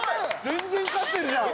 全然勝ってるじゃん。